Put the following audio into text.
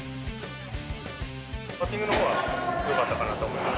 バッティングのほうはよかったかなと思います。